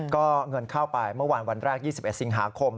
ก็เงินเข้าไปเมื่อวานวันแรก๒๑สิงหาคม